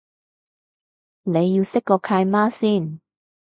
你要識個契媽先